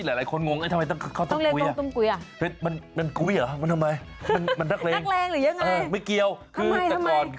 แล้วก็ข้าวต้มกุ้ยหลายคนงง